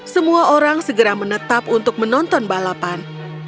semua orang segera menetap untuk menonton balapan